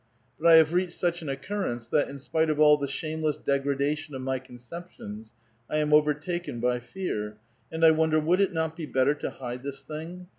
But I have reached such an occurrence that, in spite of all the shameless degradation of my conceptions, I am overtaken by fear; and I wonder, would it not be better to hide this thing?